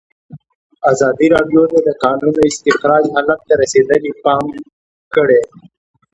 ازادي راډیو د د کانونو استخراج حالت ته رسېدلي پام کړی.